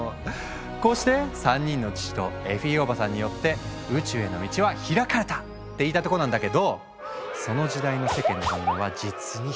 こうして３人の父とエフィーおばさんによって宇宙への道は開かれた！って言いたいとこなんだけどその時代の世間の反応は実にひどいもんだったんだ。